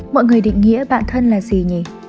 mọi người định nghĩa bạn thân là gì nhỉ